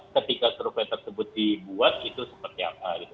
ketika survei tersebut dibuat itu seperti apa gitu